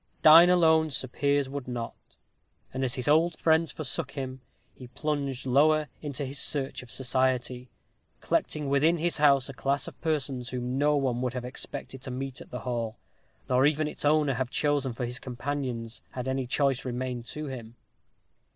Dine alone Sir Piers would not. And as his old friends forsook him, he plunged lower in his search of society; collecting within his house a class of persons whom no one would have expected to meet at the hall, nor even its owner have chosen for his companions, had any choice remained to him.